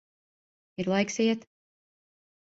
Ir laiks iet.